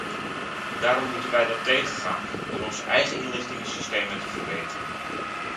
Daarom moeten wij dat tegengaan door onze eigen inlichtingensystemen te verbeteren.